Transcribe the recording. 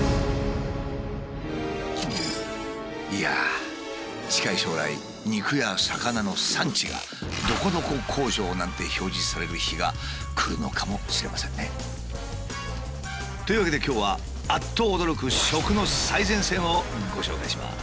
いやあ近い将来肉や魚の産地が「どこどこ工場」なんて表示される日が来るのかもしれませんね。というわけで今日はあっと驚く食の最前線をご紹介します。